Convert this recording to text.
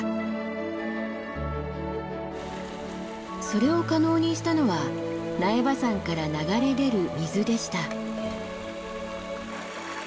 それを可能にしたのは苗場山から流れ出る水でした。